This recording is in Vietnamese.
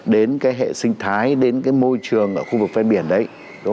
đến cái hệ sinh thái đến cái môi trường ở khu vực ven biển đấy